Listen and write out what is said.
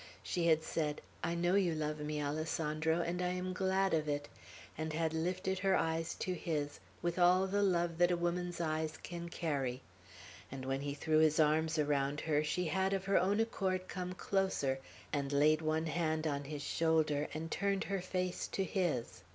She had said, "I know you love me, Alessandro, and I am glad of it," and had lifted her eyes to his, with all the love that a woman's eyes can carry; and when he threw his arms around her, she had of her own accord come closer, and laid one hand on his shoulder, and turned her face to his.